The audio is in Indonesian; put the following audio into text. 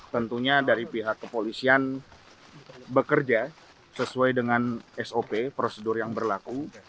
tentunya dari pihak kepolisian bekerja sesuai dengan sop prosedur yang berlaku